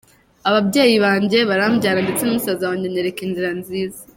ababyeyi banjye barambyara ndetse na musaza wanjye anyereka inzira nziza.